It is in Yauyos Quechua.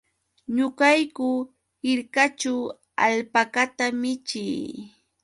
Ñuqayku hirkaćhu alpakata michii.